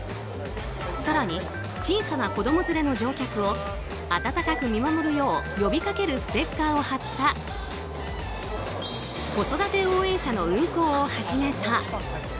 更に、小さな子供連れの乗客を温かく見守るよう呼びかけるステッカーを貼った子育て応援車の運行を始めた。